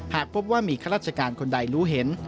หากพบว่ามีข้าราชการคนใดรู้เห็น